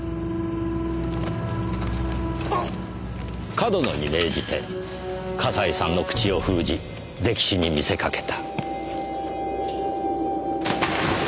上遠野に命じて笠井さんの口を封じ溺死に見せかけた。